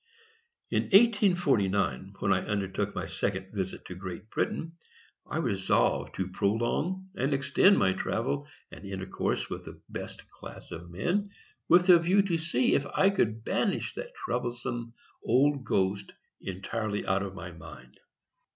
In 1849, when I undertook my second visit to Great Britain, I resolved to prolong and extend my travel and intercourse with the best class of men, with a view to see if I could banish that troublesome old ghost entirely out of my mind.